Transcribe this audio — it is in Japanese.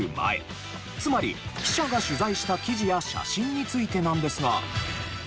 つまり記者が取材した記事や写真についてなんですが。